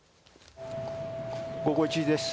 午後１時です。